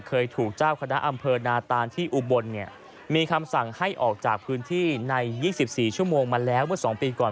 เคยถูกเจ้าคณะอำเภอนาตานที่อุบลเนี่ยมีคำสั่งให้ออกจากพื้นที่ใน๒๔ชั่วโมงมาแล้วเมื่อ๒ปีก่อน